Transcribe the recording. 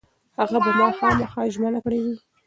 هغه به خامخا ژمنه کړې وي.